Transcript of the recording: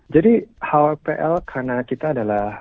jadi hwpl karena kita adalah